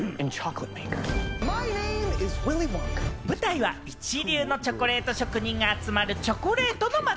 舞台は一流のチョコレート職人が集まるチョコレートの町。